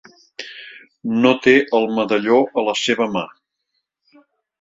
No té el medalló a la seva mà.